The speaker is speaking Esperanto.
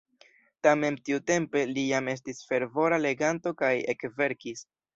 Tamen tiutempe li jam estis fervora leganto kaj ekverkis.